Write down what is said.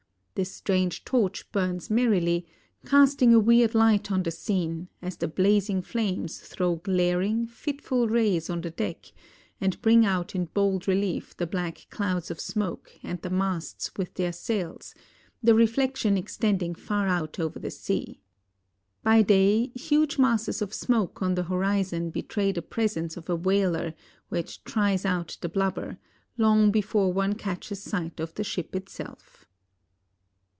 This strange torch burns merrily, casting a weird light on the scene as the blazing flames throw glaring, fitful rays on the deck and bring out in bold relief the black clouds of smoke and the masts with their sails, the reflection extending far out over the sea. By day huge masses of smoke on the horizon betray the presence of a whaler which 'tries out' the blubber, long before one catches sight of the ship itself."